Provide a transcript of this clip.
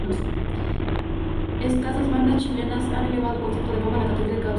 Escasas bandas chilenas han elevado el concepto de pop a la categoría de causa.